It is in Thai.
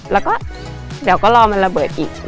แล้วก็เดี๋ยวก็รอมันระเบิดอีก